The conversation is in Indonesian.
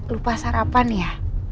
lupa sarapan ya